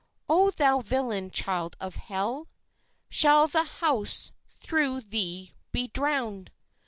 "Oh, thou villain child of hell! Shall the house through thee be drown'd?